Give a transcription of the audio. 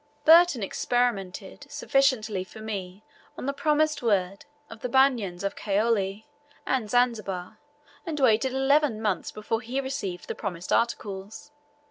Burton experimented sufficiently for me on the promised word of the Banyans of Kaole and Zanzibar, and waited eleven months before he received the promised articles.